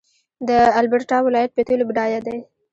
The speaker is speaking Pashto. د البرټا ولایت په تیلو بډایه دی.